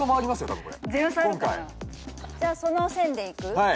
じゃその線でいく？